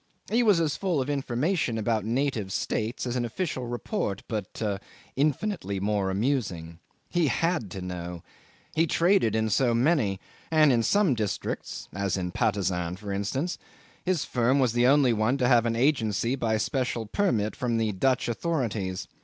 He was as full of information about native states as an official report, but infinitely more amusing. He had to know. He traded in so many, and in some districts as in Patusan, for instance his firm was the only one to have an agency by special permit from the Dutch authorities.